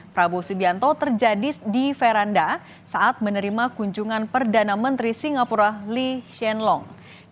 prabowo subianto terjadi di veranda saat menerima kunjungan perdana menteri singapura lee hsien long